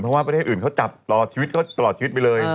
เพราะว่าประเทศอื่นเขาจับตลอดชีวิตไปเลย